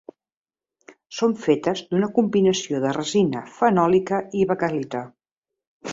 Són fetes d'una combinació de resina fenòlica i baquelita.